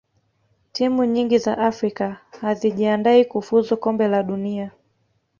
timu nyingi za afrika hazijiandai kufuzu kombe la dunia